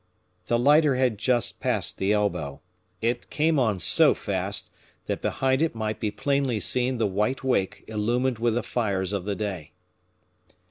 The lighter had just passed the elbow. It came on so fast, that behind it might be plainly seen the white wake illumined with the fires of the day.